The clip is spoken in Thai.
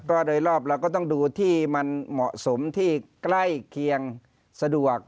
ก็โดยรอบเราก็ต้องดูที่มันเหมาะสมที่ใกล้เคียงสะดวก